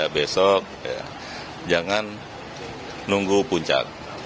besok jangan nunggu puncak